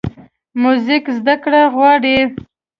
موزیک زدهکړه غواړي.